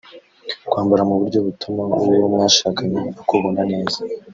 Kwambara mu buryo butuma uwo mwashakanye akubona neza